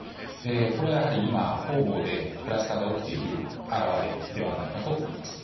これはやはり今方々でクラスターが起きている表れだと思います。